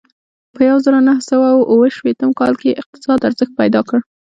په یوه زرو نهه سوه اوه شپېتم کال کې یې اقتصاد ارزښت پیدا کړ.